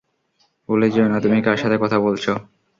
ভুলে যেও না তুমি কার সাথে কথা বলছো!